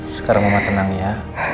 sekarang mama tenang ya